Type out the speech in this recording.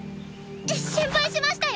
心配しましたよ！